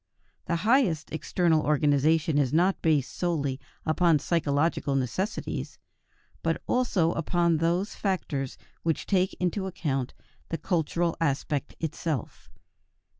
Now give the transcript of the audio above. The highest external organization is not based solely upon psychological necessities, but also upon those factors which take into account the cultural aspect itself.